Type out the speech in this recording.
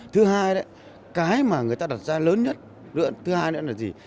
thứ hai đấy cái mà người ta đặt ra lớn nhất thứ hai nữa là gì